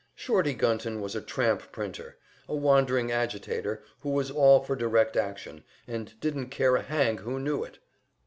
"Shorty" Gunton was a tramp printer, a wandering agitator who was all for direct action, and didn't care a hang who knew it.